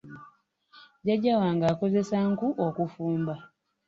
Jjajja wange akozesa nku okufumba.